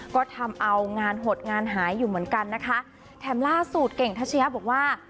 ก็ทำเอางานหดงานหายอยู่เหมือนกันนะคะแถมล่าสุดเก่งทัชยะบอกว่า